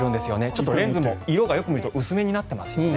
ちょっとレンズも色がよく見ると薄めになっていますよね。